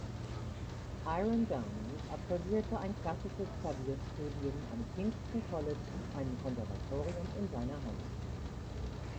Tyrone Downie absolvierte ein klassisches Klavierstudium am Kingston College, einem Konservatorium in seiner Heimatstadt.